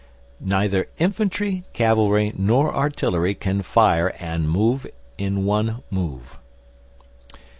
NEITHER INFANTRY, CAVALRY, NOR ARTILLERY CAN FIRE AND MOVE IN ONE MOVE.